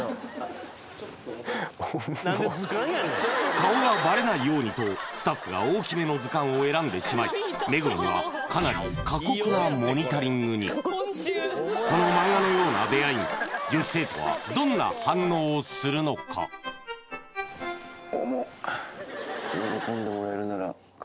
顔がバレないようにとスタッフが大きめの図鑑を選んでしまい目黒にはこの漫画のような出会いに女子生徒はどんな反応をするのか？の生徒が